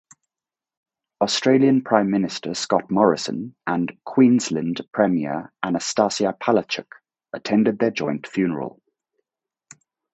Australian Prime Minister Scott Morrison and Queensland Premier Annastacia Palaszczuk attended their joint funeral.